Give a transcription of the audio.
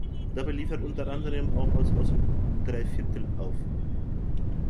Dabei lief er unter anderem auch als Außendreiviertel auf.